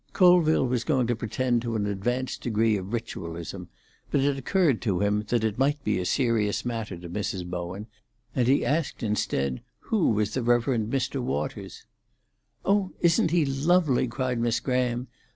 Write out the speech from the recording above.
Colville was going to pretend to an advanced degree of ritualism; but it occurred to him that it might be a serious matter to Mrs. Bowen, and he asked instead who was the Rev. Mr. Waters. "Oh, isn't he lovely?" cried Miss Graham.